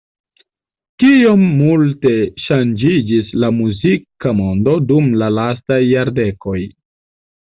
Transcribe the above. Kiom multe ŝanĝiĝis la muzika mondo dum la lastaj jardekoj!